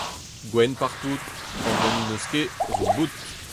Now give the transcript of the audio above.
Gwenn partout, an hini 'neus ket 'zo bout.